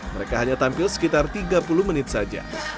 mereka hanya tampil sekitar tiga puluh menit saja